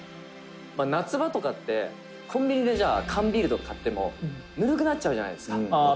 「夏場とかって、コンビニで缶ビールとか買ってもぬるくなっちゃうじゃないですか」